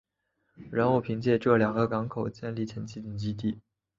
然后凭借这两个港口建立前进基地。